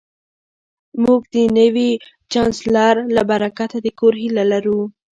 موږ د نوي چانسلر له برکته د کور هیله لرو